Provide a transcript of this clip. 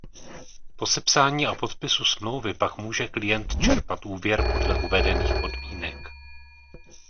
Po sepsání a podpisu smlouvy pak může klient čerpat úvěr podle uvedených podmínek.